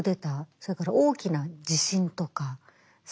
それから大きな地震とか災害。